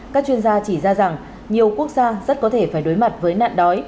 các chuyên gia chỉ ra rằng nhiều quốc gia rất có thể phải đối mặt với nạn đói